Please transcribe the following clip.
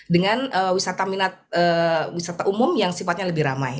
dengan wisata minat wisata umum yang sifatnya lebih ramai